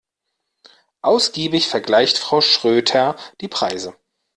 Ausgiebig vergleicht Frau Schröter die Preise.